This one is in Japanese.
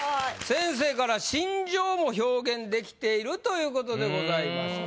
先生から「心情も表現できている」という事でございました。